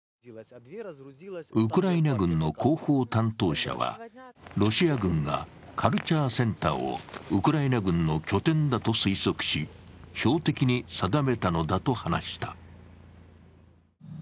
ウクライナ軍の広報担当者はロシア軍がカルチャーセンターをウクライナ軍の拠点だと推測し、標的に定めたのだと話した。